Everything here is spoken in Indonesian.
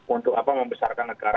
untuk apa membesarkan negara